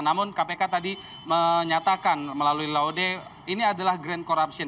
namun kpk tadi menyatakan melalui laude ini adalah grand corruption